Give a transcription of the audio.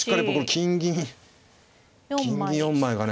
金銀金銀４枚がね。